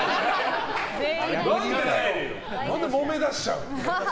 何で、もめだしちゃうの。